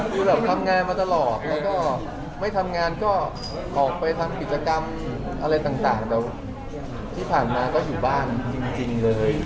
คือแบบทำงานมาตลอดแล้วก็ไม่ทำงานก็ออกไปทำกิจกรรมอะไรต่างแต่ที่ผ่านมาก็อยู่บ้านจริงเลย